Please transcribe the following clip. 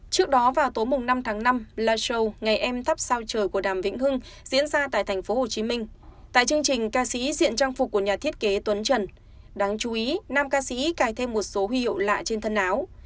trước đó vào tối năm tháng năm live show ngày em thắp sao trời của đàm vĩnh hưng diễn ra tại tp hcm tại chương trình ca sĩ diện trang phục của nhà thiết kế tuấn trần đáng chú ý nam ca sĩ cài thêm một số huy hiệu lạ trên thân áo